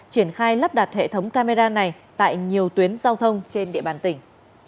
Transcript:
triển khai lắp đặt hệ thống camera này tại nhiều tuyến giao thông trên địa bàn tỉnh